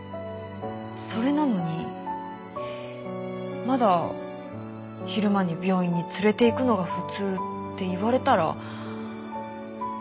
それなのにまだ昼間に病院に連れていくのが普通っていわれたらそんなの矛盾してますよね。